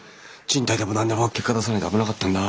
賃貸でも何でも結果出さないと危なかったんだ。